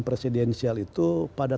presidensial itu pada